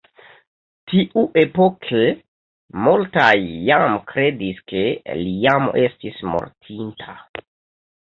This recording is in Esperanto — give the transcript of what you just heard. Tiuepoke, multaj jam kredis ke li jam estis mortinta.